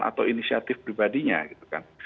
atau inisiatif pribadinya gitu kan